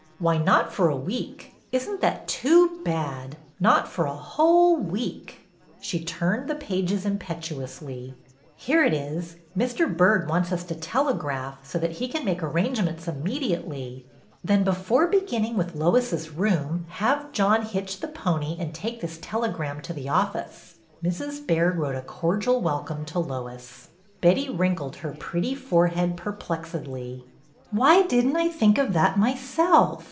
Why, not for a week. Is n't that too bad ! Not for a whole week !" She turned the pages impetuously. Here it is. Mr. Byrd wants us to telegraph, so that he can make arrangements immediately." LOIS BYRD'S COMING 55 '' Then before beginning with Lois's room have John hitch the pony and take this telegram to the office." Mrs. Baird wrote a cordial welcome to Lois. Betty wrinkled her pretty forehead perplexedly. Why did n't I think of that myself